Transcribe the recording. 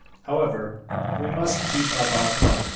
However, we must keep up our pluck.